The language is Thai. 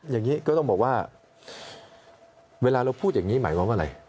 อย่างนี้ก็ต้องบอกว่าเวลาเราพูดอย่างนี้หมายความว่าอะไร